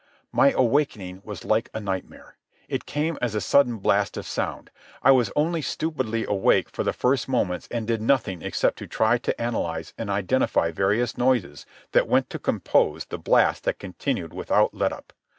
My awakening was like a nightmare. It came as a sudden blast of sound. I was only stupidly awake for the first moments and did nothing except to try to analyze and identify the various noises that went to compose the blast that continued without let up.